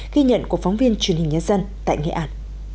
ghi nhận của phóng viên truyền hình nhân dân tại nghệ an